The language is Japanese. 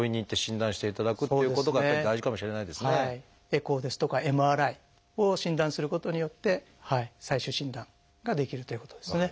エコーですとかＭＲＩを診断することによって最終診断ができるということですね。